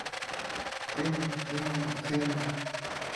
Ring Ring Ring!